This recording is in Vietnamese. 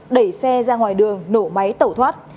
đẩy xe ra ngoài đường nổ máy tẩu thoát